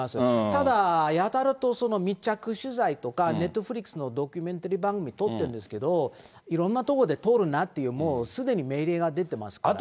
ただ、やたらと密着取材とか、ネットフリックスのドキュメンタリー番組撮ってるんですけど、いろんなところで撮るなっていう、すでに命令が出てますから。